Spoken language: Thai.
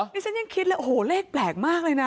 นี่ฉันยังคิดเลยโอ้โหเลขแปลกมากเลยนะ